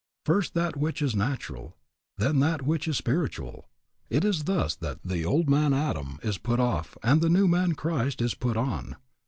First that which is natural, then that which is spiritual. It is thus that the old man Adam is put off and the new man Christ is put on.